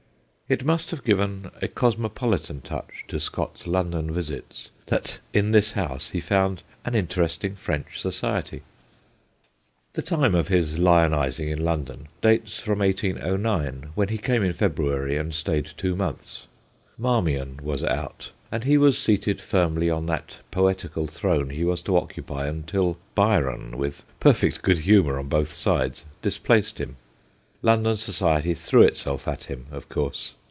It must have given a cosmopolitan touch to Scott's London visits that in this house he found an interesting French society. 196 THE GHOSTS OF PICCADILLY The time of his lionising in London dates from 1809, when he came in February and stayed two months. Marmion was out, and he was seated firmly on that poetical throne he was to occupy until Byron, with perfect good humour on both sides, displaced him London society threw itself at him, of course.